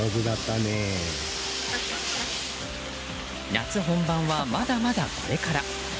夏本番は、まだまだこれから。